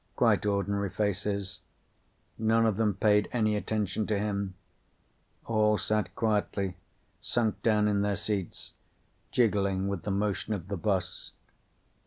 Quite ordinary faces. None of them paid any attention to him. All sat quietly, sunk down in their seats, jiggling with the motion of the bus.